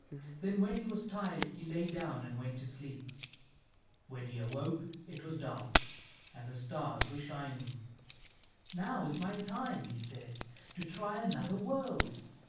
Then when he was tired he lay down and went to sleep. When he awoke it was dark, and the stars were shining. " Now is my time," he said, " to try another world."